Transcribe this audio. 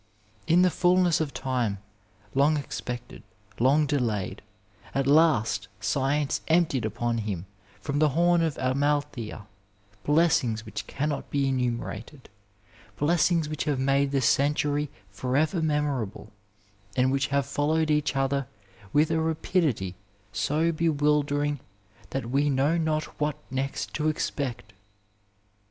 In the fulness of time, long expected, long delayed, at last Science emptied upon him from the horn of Amalthea blessings which cannot be enumerated, blessings which have made the century forever memorable; and which have followed each other with a rapidity so bewildering that we know not what next to expect.